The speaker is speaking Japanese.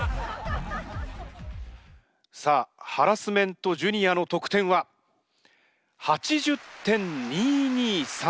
さあハラスメントＪｒ．の得点は？８０．２２３。